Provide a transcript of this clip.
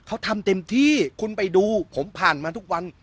เขาทำเต็มที่คุณไปดูผมผ่านมาทุกวัน